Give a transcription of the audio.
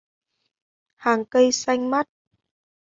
Hàng cây xanh mát